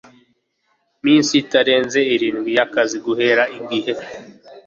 minsi itarenze irindwi y akazi guhera igihe